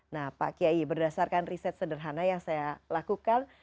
nah pak kiai berdasarkan riset sederhana yang saya lakukan